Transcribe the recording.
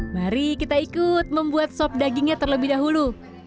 mari kita ikut membuat sop dagingnya terlebih dahulu